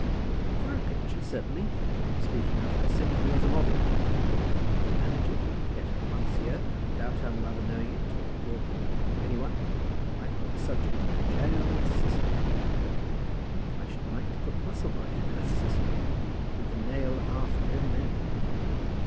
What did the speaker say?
"For a picture, certainly. I'm speaking of her simply as a model. Could we not manage it? Get her once here, without her mother knowing it, or Broughton, or any one. I've got the subject, Jael and Sisera, you know. I should like to put Musselboro in as Sisera, with the nail half driven in."